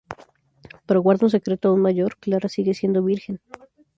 Pero guarda un secreto aún mayor: Clara sigue siendo virgen.